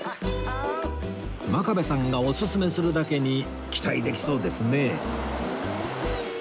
真壁さんがオススメするだけに期待できそうですね